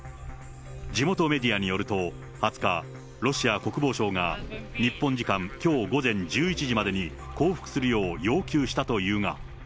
地元メディアによると、２０日、ロシア国防省が、日本時間きょう午前１１時までに降伏するよう要求したというが。